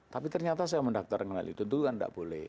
tapi ternyata saya mendaktar dengan itu itu kan tidak boleh